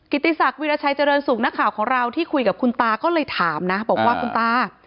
ติศักดิราชัยเจริญสุขนักข่าวของเราที่คุยกับคุณตาก็เลยถามนะบอกว่าคุณตา